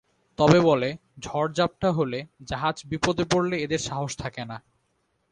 তবে বলে, ঝড়-ঝাপ্টা হলে, জাহাজ বিপদে পড়লে এদের সাহস থাকে না।